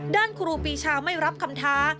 ครูปีชาไม่รับคำท้า